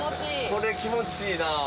これ気持ちいいなあ。